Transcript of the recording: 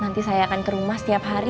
nanti saya akan ke rumah setiap hari